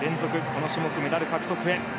この種目メダル獲得へ。